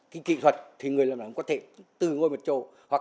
cái kỹ thuật thì người làm nấm có thể từ ngồi một chỗ